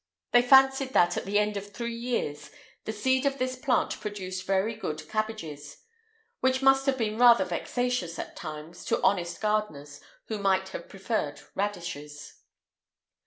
[IX 167] They fancied that, at the end of three years, the seed of this plant produced very good cabbages,[IX 168] which must have been rather vexatious, at times, to honest gardeners who might have preferred radishes.